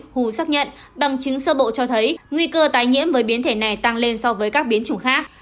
hù xác nhận bằng chứng sơ bộ cho thấy nguy cơ tái nhiễm với biến thể này tăng lên so với các biến chủng khác